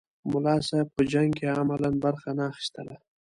ملا صاحب په جنګ کې عملاً برخه نه اخیستله.